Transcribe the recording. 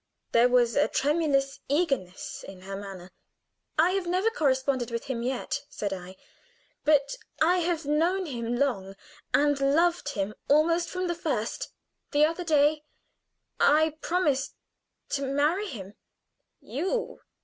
There was a tremulous eagerness in her manner. "I have never corresponded with him yet," said I, "but I have known him long, and loved him almost from the first. The other day I promised to marry him." "You?"